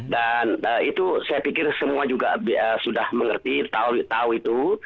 dan itu saya pikir semua juga sudah mengerti tahu itu